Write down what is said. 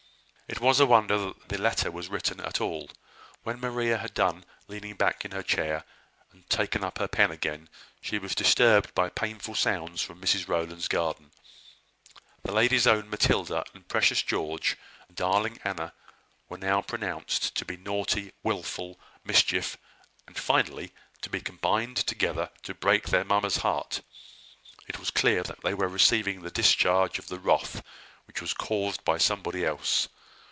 It was a wonder that the letter was written at all. When Maria had done leaning back in her chair, and had taken up her pen again, she was disturbed by painful sounds from Mrs Rowland's garden. The lady's own Matilda, and precious George, and darling Anna, were now pronounced to be naughty, wilful, mischievous, and, finally, to be combined together to break their mamma's heart. It was clear that they were receiving the discharge of the wrath which was caused by somebody else.